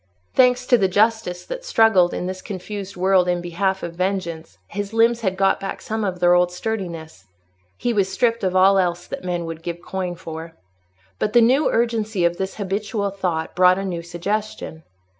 Thanks to the justice that struggled in this confused world in behalf of vengeance, his limbs had got back some of their old sturdiness. He was stripped of all else that men would give coin for. But the new urgency of this habitual thought brought a new suggestion.